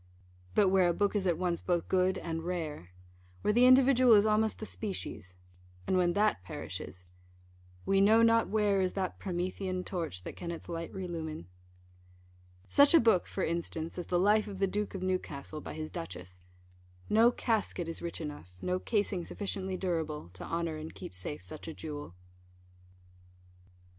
But where a book is at once both good and rare where the individual is almost the species, and when that perishes, We know not where is that Promethean torch That can its light relumine such a book, for instance, as the Life of the Duke of Newcastle, by his Duchess no casket is rich enough, no casing sufficiently durable, to honour and keep safe such a jewel.